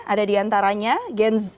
ada di antaranya gen z